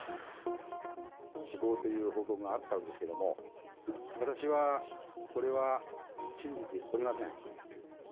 死亡という報告があったんですけれども、私はこれは信じておりません。